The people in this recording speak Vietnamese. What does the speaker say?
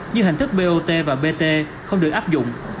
như hình thức bot và bt không được áp dụng